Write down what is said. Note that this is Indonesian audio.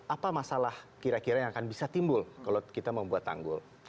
apa masalah kira kira yang akan bisa timbul kalau kita membuat tanggul